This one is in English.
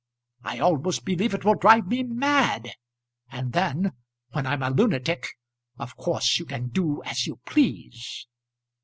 I almost believe it will drive me mad, and then, when I'm a lunatic, of course you can do as you please.